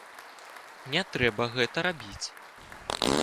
Не трэба гэта рабіць.